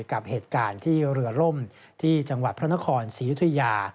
กับเหตุการณ์ที่เรือล่มที่จังหวัดพระนครศรียุธยา